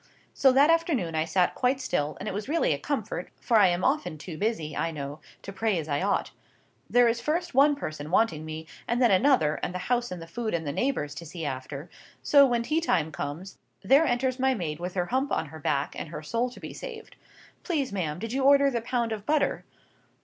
So, that afternoon I sat quite still, and it was really a comfort, for I am often too busy, I know, to pray as I ought. There is first one person wanting me, and then another, and the house and the food and the neighbours to see after. So, when tea time comes, there enters my maid with her hump on her back, and her soul to be saved. 'Please, ma'am, did you order the pound of butter?